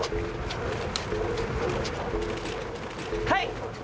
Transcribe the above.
はい！